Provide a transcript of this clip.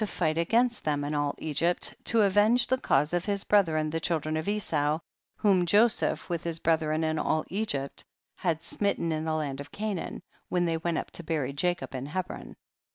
fight against them and all Egypt, to avenge the cause of his brethren the children of Esau, whom Joseph with his brethren and all Egypt had smit ten in the land of Canaan, when they went up to bury Jacob in Hebron.